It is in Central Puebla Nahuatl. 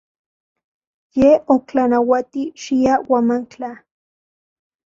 Ye otlanauati xia Huamantla.